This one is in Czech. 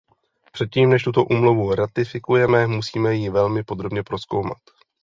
Předtím než tuto úmluvu ratifikujeme, musíme ji velmi podrobně prozkoumat.